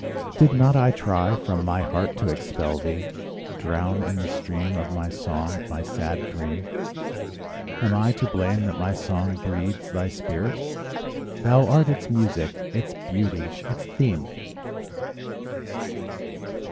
Did not I try from my heart to expel thee, Drown in the stream of my song my sad dream? Am I to blame that my song breathes thy spirit— Thou art its music, its beauty, its theme!